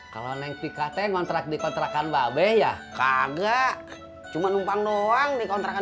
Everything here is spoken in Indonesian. kalau neng pikatnya ngontrak di kontrakan mbak be ya kagak cuman umpang doang di kontrakan